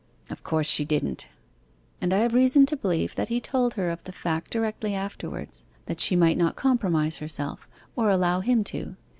'Of course she didn't.' 'And I have reason to believe that he told her of the fact directly afterwards, that she might not compromise herself, or allow him to.